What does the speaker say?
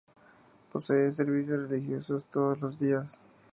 Posee servicios religiosos todos los días.